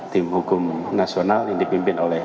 tim hukum nasional yang dipimpin oleh